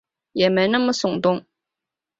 也没那么耸动